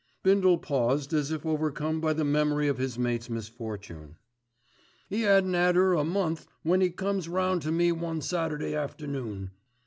Bindle paused as if overcome by the memory of his mate's misfortune. "'E 'adn't 'ad 'er a month when 'e comes round to me one Saturday afternoon.